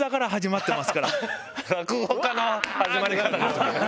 落語家の始まり方だよね。